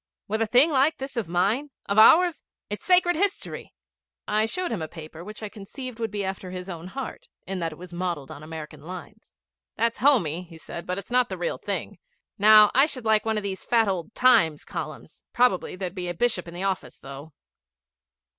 'With a thing like this of mine of ours? It's sacred history!' I showed him a paper which I conceived would be after his own heart, in that it was modelled on American lines. 'That's homey,' he said, 'but it's not the real thing. Now, I should like one of these fat old Times columns. Probably there'd be a bishop in the office, though.'